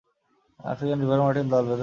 African river martin দল বেঁধে থাকে।